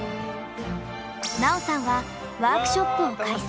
奈緒さんはワークショップを開催。